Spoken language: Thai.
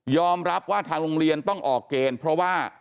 รับว่าทางโรงเรียนต้องออกเกณฑ์เพราะว่า